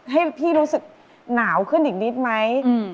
ให้พี่รู้สึกหนาวขึ้นอีกนิดไหม